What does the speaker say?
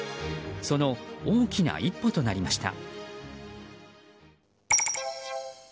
その大きな一歩となりました。